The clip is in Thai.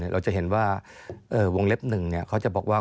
เราจะเห็นว่าวงเล็บ๑เขาจะบอกว่า